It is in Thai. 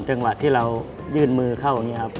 จังหวะที่เรายื่นมือเข้าอย่างนี้ครับ